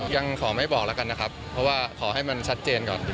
ยังขอไม่บอกแล้วกันนะครับเพราะว่าขอให้มันชัดเจนก่อน